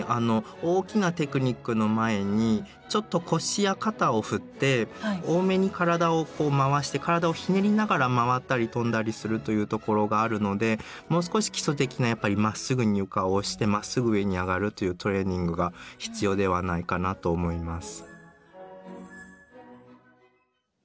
大きなテクニックの前にちょっと腰や肩を振って多めに体を回して体をひねりながら回ったり跳んだりするというところがあるのでもう少し基礎的なやっぱりまっすぐに床を押してまっすぐ上にあがるというトレーニングが必要ではないかなと思います。